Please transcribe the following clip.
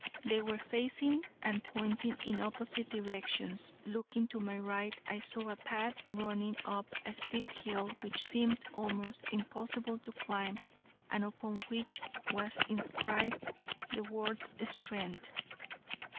They were facing and pointing in opposite directions. Looking to my right I saw a path running up a steep hill which seemed almost impossible to climb and upon which was inscribed the word strength.